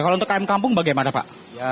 kalau untuk km kampung bagaimana pak